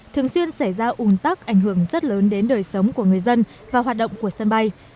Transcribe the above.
thường xuyên xảy ra ủn tắc ảnh hưởng rất lớn đến đời sống của người dân và hoạt động của sân bay